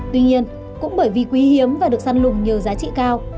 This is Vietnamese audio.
tuy nhiên cũng bởi vì quý hiếm và được săn lùng nhiều giá trị cao